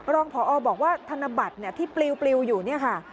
รองพอบอกว่าธนบัตรที่ปลิวอยู่เนี่ยค่ะ